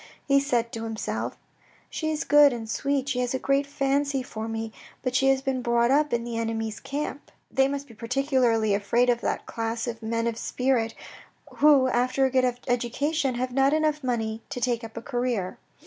He said to himself, " She is good and sweet, she has a great fancy for me, but she has been brought up in the enemy's camp. They must be particularly afraid of that class of men of spirit who, after a good education, have not enough money to take up a career.